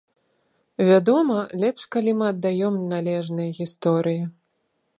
Вядома, лепш, калі мы аддаём належнае гісторыі.